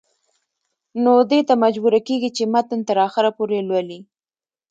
نو دې ته مجبوره کيږي چې متن تر اخره پورې لولي